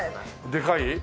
でかい？